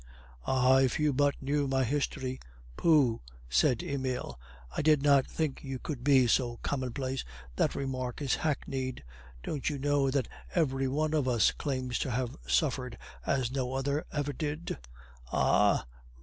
"Ah, if you but knew my history!" "Pooh," said Emile; "I did not think you could be so commonplace; that remark is hackneyed. Don't you know that every one of us claims to have suffered as no other ever did?" "Ah!"